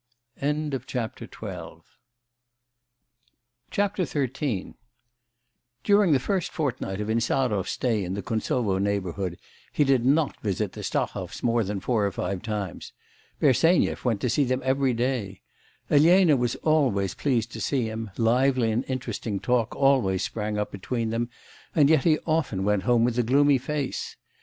XIII During the first fortnight of Insarov's stay in the Kuntsovo neighbourhood, he did not visit the Stahovs more than four or five times; Bersenyev went to see them every day. Elena was always pleased to see him, lively and interesting talk always sprang up between them, and yet he often went home with a gloomy face.